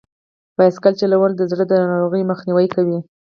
بایسکل چلول د زړه د ناروغیو مخنیوی کوي.